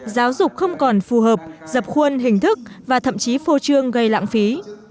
giáo dục không còn phù hợp dập khuôn hình thức và thậm chí phô trương gây lãng phí